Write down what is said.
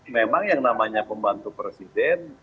memang yang namanya pembantu presiden